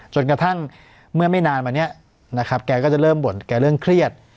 จนกระทั่งเมื่อไม่นานมาเนี่ยนะครับแกก็จะเริ่มบ่นแกเริ่มเครียด